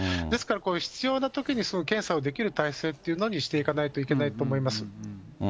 ですから、必要なときに検査をできる体制というのにしていかないといけないと思います。